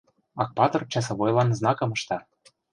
Акпатыр часовойлан знакым ышта.